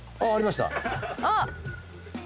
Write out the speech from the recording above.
あっ！